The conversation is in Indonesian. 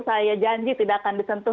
saya janji tidak akan disentuh